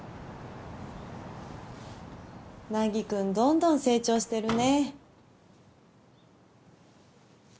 凪君どんどん成長してるね。